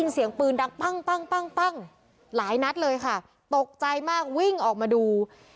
เสียงปืนดังปั้งปั้งหลายนัดเลยค่ะตกใจมากวิ่งออกมาดู